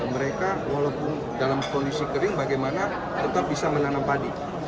mereka walaupun dalam kondisi kering bagaimana tetap bisa menanam padi